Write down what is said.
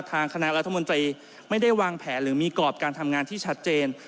คณะรัฐมนตรีไม่ได้วางแผนหรือมีกรอบการทำงานที่ชัดเจน